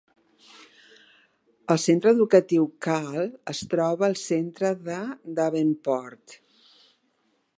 El centre educatiu Kahl es troba al centre de Davenport.